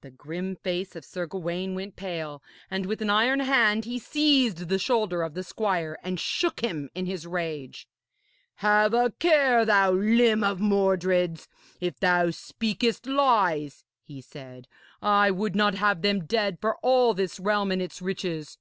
The grim face of Sir Gawaine went pale, and with an iron hand he seized the shoulder of the squire and shook him in his rage. 'Have a care, thou limb of Mordred's, if thou speakest lies,' he said. 'I would not have them dead for all this realm and its riches.